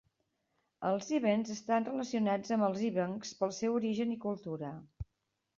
Els Evens estan relacionats amb els Evenks pel seu origen i cultura.